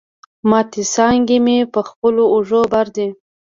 ماتي څانګي مي په خپلو اوږو بار دي